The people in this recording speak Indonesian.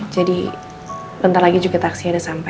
jadi bentar lagi juga taksi ada sampe